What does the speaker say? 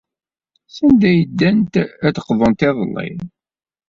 Sanda ay ddant ad d-qḍunt iḍelli?